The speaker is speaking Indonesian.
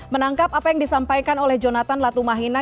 menangkap apa yang disampaikan oleh jonathan latumahina